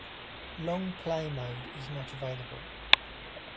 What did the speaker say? Long Play mode is not available.